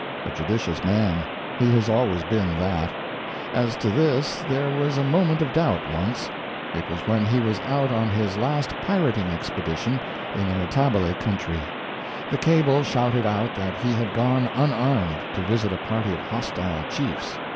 A judicious man. He has always been that. As to this there was a moment of doubt, once. It was when he was out on his last pirating expedition in the Matabele country. The cable shouted out that he had gone unarmed, to visit a party of hostile chiefs.